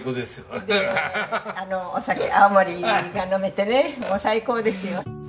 でお酒泡盛が飲めてねもう最高ですよ。